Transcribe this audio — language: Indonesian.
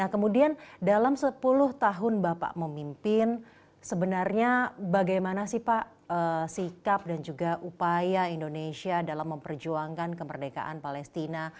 kemudian dalam sepuluh tahun bapak memimpin bagaimana sikap dan upaya indonesia dalam memperjuangkan kemerdekaan palestina